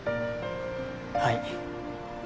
はい。